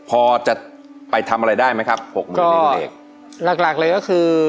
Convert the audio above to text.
พอจะไปทำอะไรได้ไหมครับหกหมื่นนิดหลักหลักเลยก็คือ